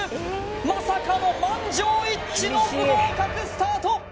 まさかの満場一致の不合格スタート